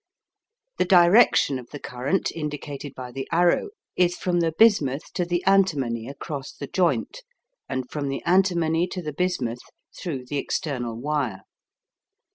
The direction of the current, indicated by the arrow, is from the bismuth to the antimony across the joint, and from the antimony to the bismuth through the external wire.